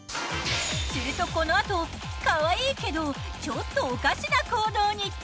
するとこのあとかわいいけどちょっとおかしな行動に！